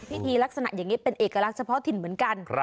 พิธีลักษณะอย่างนี้เป็นเอกลักษณ์เฉพาะถิ่นเหมือนกัน